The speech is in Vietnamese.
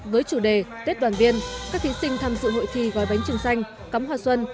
với chủ đề tết đoàn viên các thí sinh tham dự hội thi gói bánh trưng xanh cắm hoa xuân